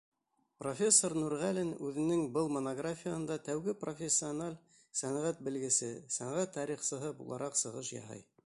Профессор Нурғәлин үҙенең был монографияһында тәүге профессиональ сәнғәт белгесе-сәнғәт тарихсыһы булараҡ сығыш яһай.